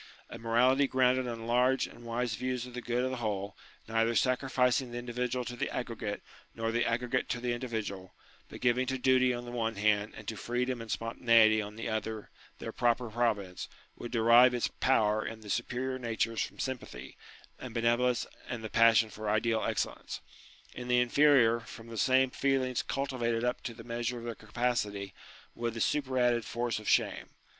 A morality grounded on large and wise views of the good of the whole, neither sacrificing the individual to the aggregate nor the aggregate to the individual, but giving to duty on the one hand and to freedom and spontaneity on the other their proper pro vince, would derive its power in the superior natures from sympathy and benevolence and the passion for ideal excellence : in the inferior, from the same feelings cultivated up to the measure of their capacity, with the superadded force of shame.